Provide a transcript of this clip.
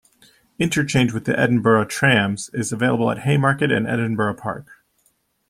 Interchange with the Edinburgh Trams is available at Haymarket and Edinburgh Park.